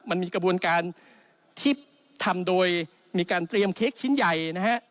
มันมีกระบวนการที่ทำโดยมีการเตรียมเค้กชิ้นใหญ่นะฮะ